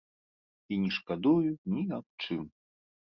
І не шкадую ні аб чым.